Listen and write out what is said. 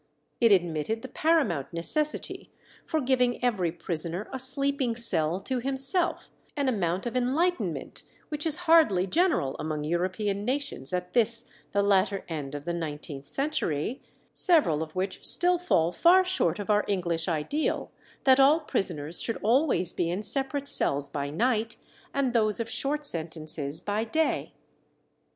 It admitted the paramount necessity for giving every prisoner a sleeping cell to himself, an amount of enlightenment which is hardly general among European nations at this the latter end of the nineteenth century, several of which still fall far short of our English ideal, that all prisoners should always be in separate cells by night, and those of short sentences by day.